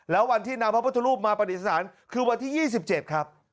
แล้ววันที่นำพระพุทธรูปมาปฏิสถานคือวันที่๒๗ครับ